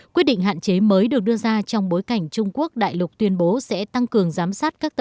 quyết định hạn chế mới được đưa ra trong bối cảnh trung quốc đại lục tuyên bố sẽ tăng cường giám sát